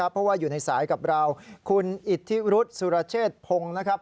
เพราะว่าอยู่ในสายกับเราคุณอิทธิรุษสุรเชษพงศ์นะครับ